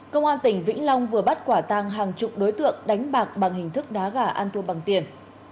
công an tỉnh vĩnh long vừa bắt quả tăng hàng chục đối tượng đánh bạc bằng hình thức đá gà ăn thua bằng tiền